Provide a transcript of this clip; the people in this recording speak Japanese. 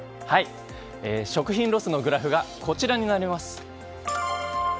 食品ロスのグラフがこちらになります。